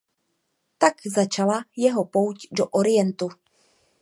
Tak začala jeho pouť do Orientu.